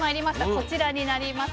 こちらになります。